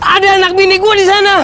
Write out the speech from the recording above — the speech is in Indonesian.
ada anak bini gue disana